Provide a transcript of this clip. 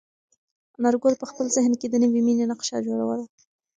انارګل په خپل ذهن کې د نوې مېنې نقشه جوړوله.